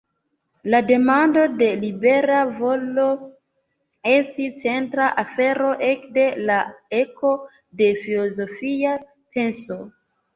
La demando de libera volo estis centra afero ekde la eko de filozofia penso.